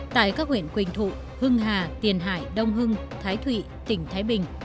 tại các huyện quỳnh thụ hưng hà tiền hải đông hưng thái thụy tỉnh thái bình